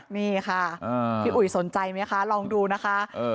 นี่ค่ะพี่อุ๋ยสนใจไหมคะลองดูนะคะ